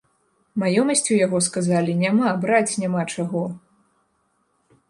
Маёмасці ў яго, сказалі, няма, браць няма чаго.